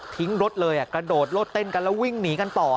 รถเลยกระโดดรถเต้นกันแล้ววิ่งหนีกันต่อ